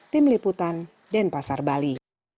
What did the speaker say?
tim liputan denpasar bali